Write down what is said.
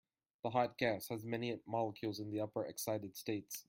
The hot gas has many molecules in the upper excited states.